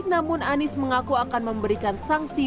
namun anies mengaku akan memberikan sanksi